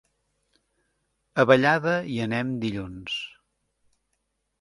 A Vallada hi anem dilluns.